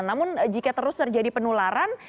namun jika terus terjadi penularan